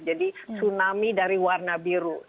jadi tsunami dari warna biru